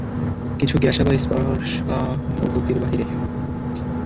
কিছু গ্যাস আবার স্পর্শানুভূতির বাইরে।